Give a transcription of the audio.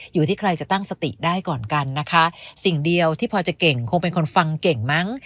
อยู่ที่ใครจะตั้งสติได้ก่อนกันนะคะสิ่งเดียวที่พอจะเก่งคงเป็นคนฟังเก่งมั้ง